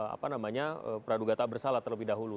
apa namanya pradugata bersalah terlebih dahulu